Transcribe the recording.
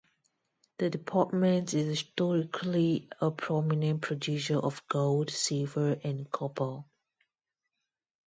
The department is, historically, a prominent producer of gold, silver, and copper.